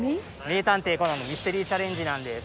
『名探偵コナン』のミステリー・チャレンジなんです。